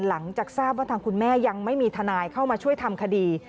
หลังจากทราบว่าทางคุณแม่ยังไม่มีทนายเข้ามาช่วยทำคดี